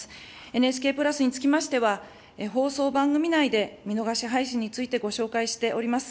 ＮＨＫプラスにつきましては、放送番組内で見逃し配信についてご紹介しております。